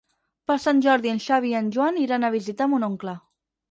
Per Sant Jordi en Xavi i en Joan iran a visitar mon oncle.